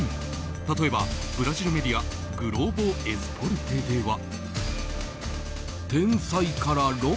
例えば、ブラジルメディアグローボ・エスポルテでは。